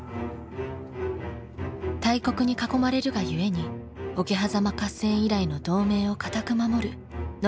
大国に囲まれるがゆえに桶狭間合戦以来の同盟を堅く守る信長と家康。